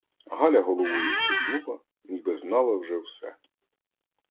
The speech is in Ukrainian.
Галя головою хитнула, ніби знала вже все.